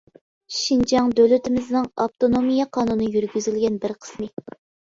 شىنجاڭ دۆلىتىمىزنىڭ ئاپتونومىيە قانۇنى يۈرگۈزۈلگەن بىر قىسمى.